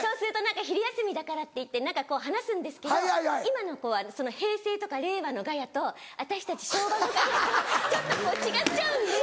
昼休みだからっていって何か話すんですけど今の子は平成とか令和のガヤと私たち昭和のガヤとちょっと違っちゃうんで。